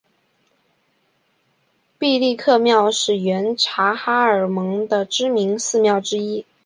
毕力克庙是原察哈尔盟的知名寺庙之一。